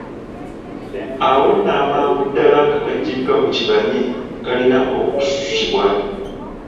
Awo nno amangu ddala nga gaggyiddwa ku kibanyi galina okususibwa.